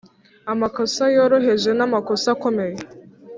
amakosa yoroheje na makosa akomeye,